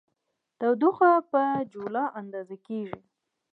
تودوخه په جولا اندازه کېږي.